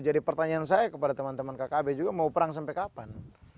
jadi pertanyaan saya kepada teman teman kkb juga mau perang sampai kapan